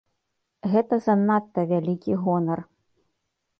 Гэта занадта вялікі гонар!